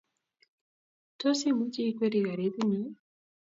Tos imuch ikweri karit inye?